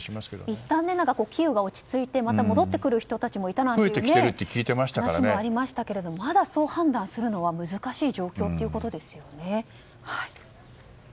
いったんキーウが落ち着いてまた戻ってくる人たちもいたなんて話もありましたがまだそう判断するのは難しい状況ということですよね。